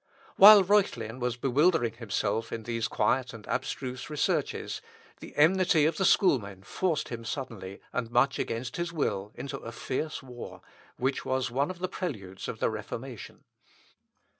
While Reuchlin was bewildering himself in these quiet and abstruse researches, the enmity of the Schoolmen forced him suddenly, and much against his will, into a fierce war, which was one of the preludes of the Reformation.